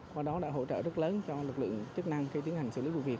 qua đó đã hỗ trợ rất lớn cho lực lượng chức năng khi tiến hành xử lý vụ việc